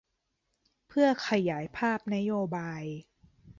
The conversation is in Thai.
เพื่อขยายภาพนโยบาย